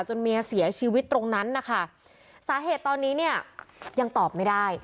เมียเสียชีวิตตรงนั้นนะคะสาเหตุตอนนี้เนี่ยยังตอบไม่ได้